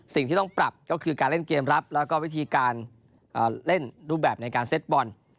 สิ่งที่ต้องปรับก็คือการเล่นเกมรับแล้วก็วิธีการเล่นรูปแบบในการเซตบอล